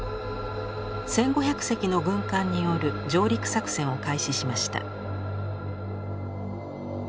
１，５００隻の軍艦による上陸作戦を開始しました。